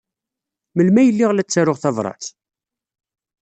Melmi ay lliɣ la ttaruɣ tabṛat?